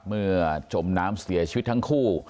จมน้ำเสียชีวิตทั้งคู่